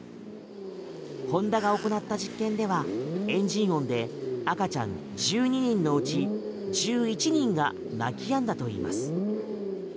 ホンダが行った実験ではエンジン音で赤ちゃん１２人のうち１１人が泣き止んだといいます。